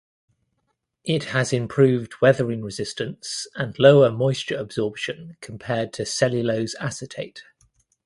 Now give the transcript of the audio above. It has improved weathering resistance and lower moisture absorption compared to cellulose acetate.